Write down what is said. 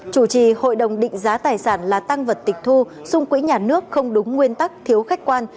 chủ trì hội đồng định giá tài sản là tăng vật tịch thu xung quỹ nhà nước không đúng nguyên tắc thiếu khách quan